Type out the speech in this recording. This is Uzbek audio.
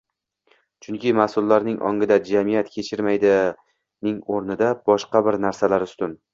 Chunki mas’ullarning ongida «jamiyat kechirmaydi»ning o‘rnida boshqa bir narsalar ustun